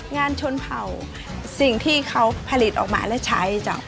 งานชนเผ่าสิ่งที่เขาผลิตออกมาแล้วใช้จ้ะ